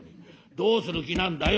どうする気なんだよ」。